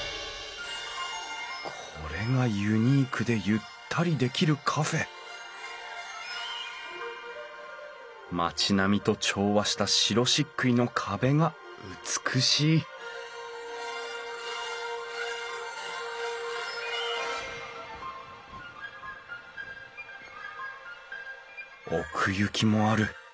これがユニークでゆったりできるカフェ町並みと調和した白しっくいの壁が美しい奥行きもある。